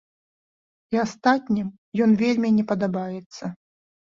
І астатнім ён вельмі не падабаецца.